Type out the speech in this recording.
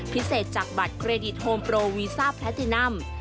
พิเศษจากบัตรเครดิตโฮมโปรวีซ่าแพลตินัม